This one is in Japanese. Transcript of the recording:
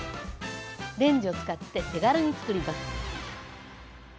レンジを使って手軽につくります。